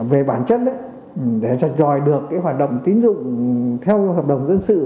về bản chất để sạch dòi được cái hoạt động tín dụng theo hợp đồng dân sự